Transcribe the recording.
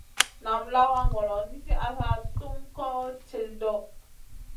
Nam lawa ŋolo nizi asa tum koh til ɗoʼ.